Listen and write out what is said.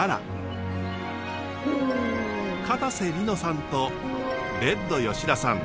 かたせ梨乃さんとレッド吉田さん